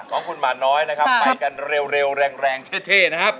ของคุณหมาน้อยนะครับไปกันเร็วแรงแรงเท่นะครับ